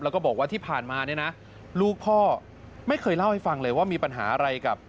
แล้วก็บอกว่าที่ผ่านมาเนี่ยนะลูกพ่อไม่เคยเล่าให้ฟังเลยว่ามีปัญหาอะไรกับ